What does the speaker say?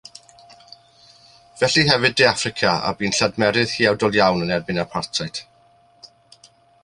Felly hefyd De Affrica, a bu'n lladmerydd huawdl iawn yn erbyn apartheid.